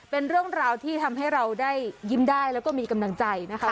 เป็นเรื่องราวที่ทำให้เราได้ยิ้มได้แล้วก็มีกำลังใจนะคะ